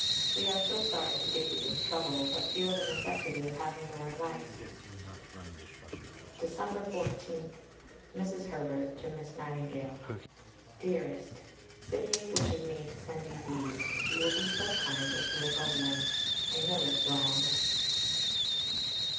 We are so sorry to give you this trouble, but feel the necessity of having your advice. Dec. 14 (Mrs. Herbert to Miss Nightingale). DEAREST Sidney wishes me to send you these, if you will be so kind as to look over them. I know it's wrong.